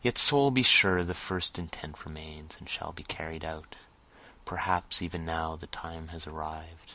Yet soul be sure the first intent remains, and shall be carried out, Perhaps even now the time has arrived.